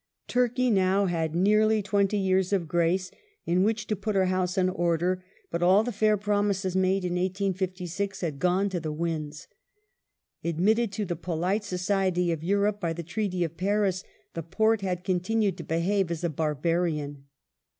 Turkey had now had nearly twenty years of grace in which to Turkish put her house in order, but all the fair promises made in 1856 had ™sgov .. 1 •• f ernment gone to the winds. Admitted to the polite society of Europe by the Treaty of Paris, the Porte had continued to behave as a bar barian.